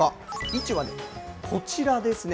位置はこちらですね。